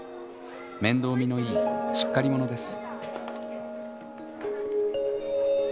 面倒見のいいしっかり者です。